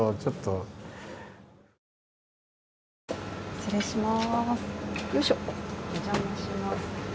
失礼します